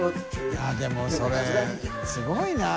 いでもそれすごいな。